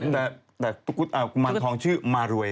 แต่กะกุอ์อ่ากุมันทองชื่อมารวย